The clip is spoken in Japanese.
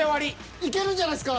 いけるんじゃないすか。